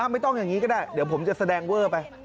ไม่ต้องอย่างนี้ก็ได้เดี๋ยวผมจะแสดงเวอร์ไป